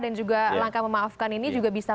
dan juga langkah memaafkan ini juga bisa